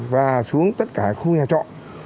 và xuống tất cả khu nhà trọ